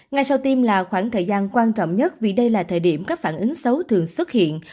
ngay sau tim là khoảng thời gian quan trọng nhất vì đây là thời điểm các phản ứng xấu thường xuất hiện